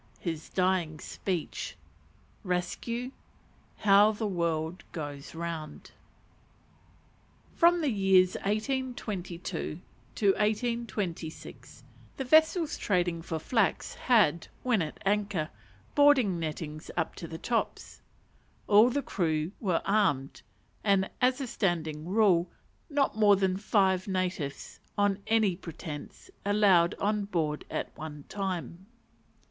His Dying Speech. Rescue. How the World goes round. From the years 1822 to 1826, the vessels trading for flax had, when at anchor, boarding nettings up to the tops; all the crew were armed, and, as a standing rule, not more than five natives, on any pretence, allowed on board at one time.